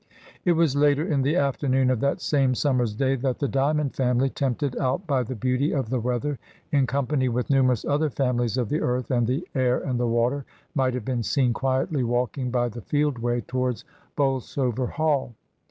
It was later in the afternoon of that same summer's day that the Dymond family, tempted out by the beauty of the weather, in company with numerous other families of the earth and the air and the water, might have been seen quietly walk ing by the field way towards Bolsover Hall.